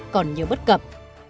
còn nhiều bất cập